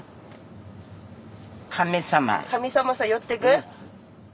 神様さ寄ってく？